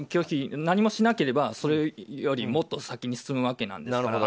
何もしなければそれよりもっと先に進むわけですから。